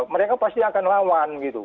mereka pasti akan lawan gitu